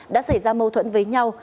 đã xảy ra mâu thuẫn với nhau